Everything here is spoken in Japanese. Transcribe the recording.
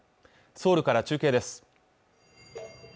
ソウルから中継です